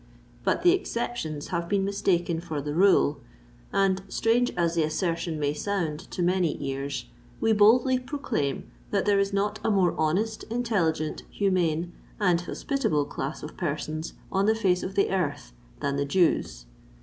But the exceptions have been mistaken for the rule; and—strange as the assertion may sound to many ears—we boldly proclaim that there is not a more honest, intelligent, humane, and hospitable class of persons on the face of the earth than the Jews.